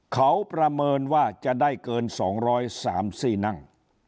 เขาประเมินว่าจะได้เกิน๒๐๓๔นั่ง